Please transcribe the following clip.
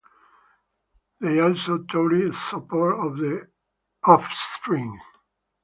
They also toured as support to The Offspring.